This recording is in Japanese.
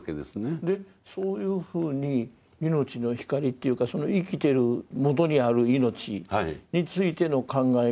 そういうふうに命の光というか生きてる元にある命についての考え方